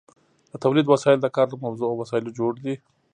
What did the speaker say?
د تولید وسایل د کار له موضوع او وسایلو جوړ دي.